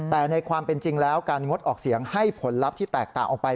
แต่ในความเป็นจริงแล้วการงดออกเสียงให้ผลลัพธ์ที่แตกต่างออกไป